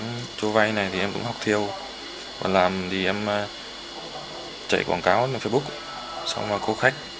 trong mượn vay này thì em cũng học thiêu làm thì em chạy quảng cáo trên facebook xong rồi có khách